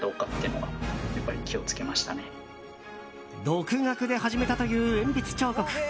独学で始めたという鉛筆彫刻。